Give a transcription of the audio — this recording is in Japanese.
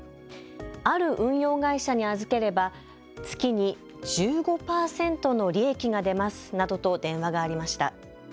ある運用会社に預ければ月に１５％の利益が出ますなどと電話がありました。